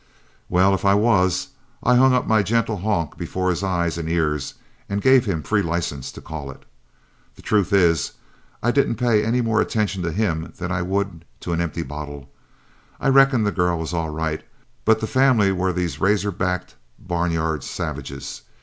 "Well, if I was, I hung up my gentle honk before his eyes and ears and gave him free license to call it. The truth is, I didn't pay any more attention to him than I would to an empty bottle. I reckon the girl was all right, but the family were these razor backed, barnyard savages.